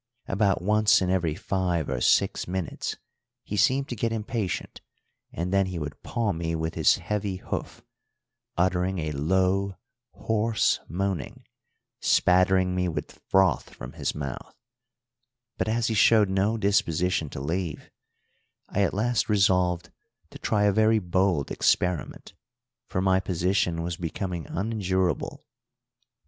About once in every five or six minutes he seemed to get impatient, and then he would paw me with his heavy hoof, uttering a low, hoarse moaning, spattering me with froth from his mouth; but as he showed no disposition to leave, I at last resolved to try a very bold experiment, for my position was becoming unendurable.